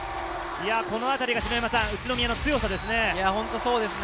このあたりが宇都宮の強さですね。